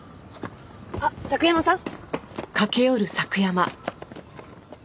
あっ佐久山さん！